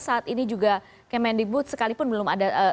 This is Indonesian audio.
saat ini juga kemendikbud